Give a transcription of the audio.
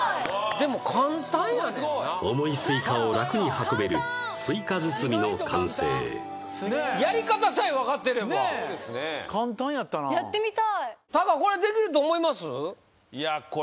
でも簡単やねんな重いスイカを楽に運べるスイカ包みの完成やり方さえわかってればねえやってみたいタカこれできると思います？